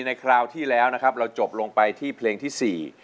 คราวที่แล้วนะครับเราจบลงไปที่เพลงที่สี่